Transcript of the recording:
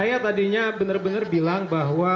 saya tadinya bener bener bilang bahwa